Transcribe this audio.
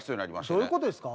どういうことですか？